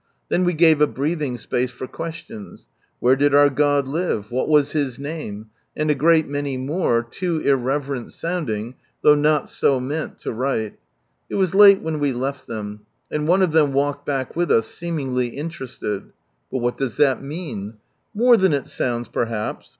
Then we gave a brealhing space for questions. " Where did our God live? What was His name?" (and a great many r loo irreverent sounding, though not so meant, to write). It was late when we left them, and one of them walked back with us, seemingly interested. But what does that mean ? More than it sounds perhaps.